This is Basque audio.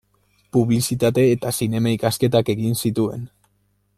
Publizitate eta Zinema ikasketak egin zituen.